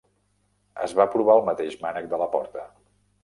Es va provar el mateix mànec de la porta.